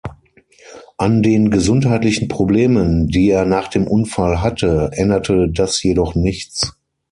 An den gesundheitlichen Problemen, die er nach dem Unfall hatte, änderte das jedoch nichts.